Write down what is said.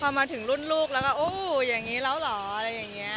รุ่นลูกแล้วก็โอ้ยอย่างนี้เราเหรออะไรอย่างนี้